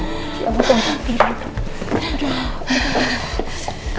ya allah pelan pelan